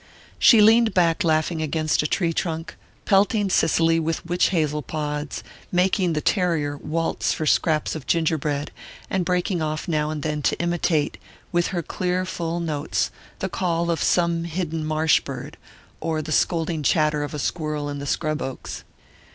She leaned back laughing against a tree trunk, pelting Cicely with witch hazel pods, making the terrier waltz for scraps of ginger bread, and breaking off now and then to imitate, with her clear full notes, the call of some hidden marsh bird, or the scolding chatter of a squirrel in the scrub oaks.